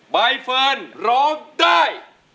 ใบเฟิร์นร้องได้